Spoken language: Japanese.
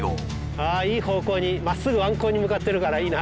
ああいい方向にまっすぐ湾口に向かってるからいいな。